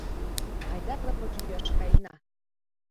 Айда рывыж лӱяш каена.